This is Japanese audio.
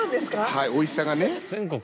⁉はいおいしさがね。